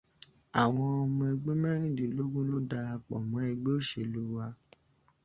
Àwọn ọmọ ogun mérìndínlógún ló darapọ̀ mọ́ ẹgbẹ́ òṣèlú wa